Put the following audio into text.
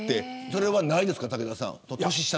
それはないですか、武田さん。